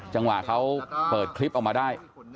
จังหวะเขาเปิดคลิปออกมาได้